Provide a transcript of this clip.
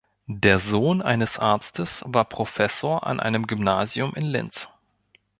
Der Sohn eines Arztes war Professor an einem Gymnasium in Linz.